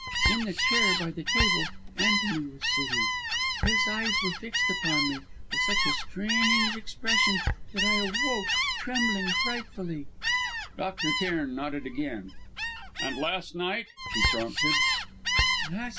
In the chair, by the table, Antony was sitting. His eyes were fixed upon me, with such a strange expression that I awoke, trembling frightfully " Dr. Cairn nodded again. "And last night?" he prompted.